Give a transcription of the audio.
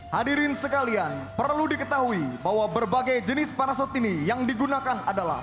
hadirin sekalian perlu diketahui bahwa berbagai jenis parasot ini yang digunakan adalah